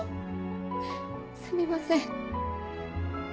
すみません。